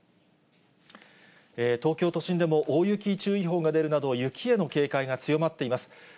東京都心でも大雪注意報が出るなど、雪への警戒が強まっています。